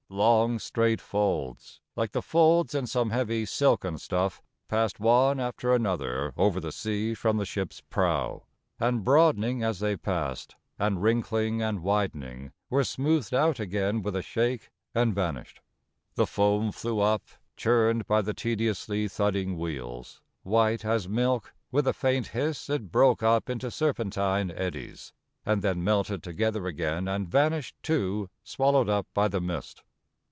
Long, straight folds, like the folds in some heavy silken stuff, passed one after another over the sea from the ship's prow, and broadening as they passed, and wrinkling and widening, were smoothed out again with a shake, and vanished. The foam flew up, churned by the tediously thudding wheels ; white as milk, with a faint hiss it broke up into serpentine eddies, and then melted together again and vanished too, swallowed up by the mist.